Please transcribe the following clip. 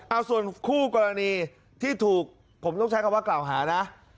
เอาส่วนคู่กรณีที่ถูกผมต้องใช้คำว่ากล่าวหานะ